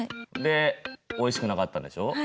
でおいしくなかったんでしょ？